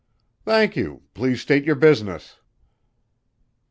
"Thank you. Please state your business."